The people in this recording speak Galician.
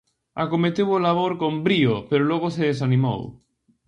Acometeu o labor con brío pero logo se desanimou.